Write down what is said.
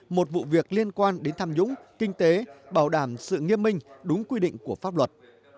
một vụ việc liên quan đến tham nhũng kinh tế bảo đảm sự nghiêm minh đúng quy định của pháp luật